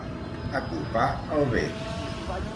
Acopar el bec.